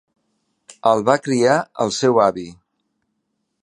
El va criar el seu avi.